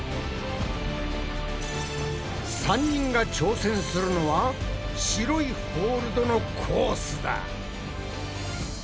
３人が挑戦するのは白いホールドのコースだ。